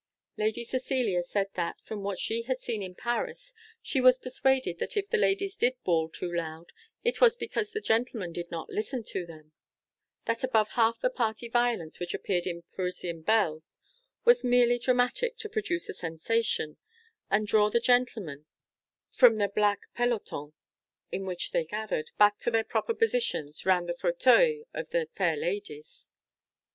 '" Lady Cecilia said that, from what she had seen at Paris, she was persuaded that if the ladies did bawl too loud it was because the gentlemen did not listen to them; that above half the party violence which appeared in Parisian belles was merely dramatic, to produce a sensation, and draw the gentlemen, from the black pelotons in which they gathered, back to their proper positions round the fauteuils of the fair ladies.